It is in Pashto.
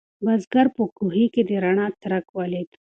بزګر په کوهي کې د رڼا څرک ولید.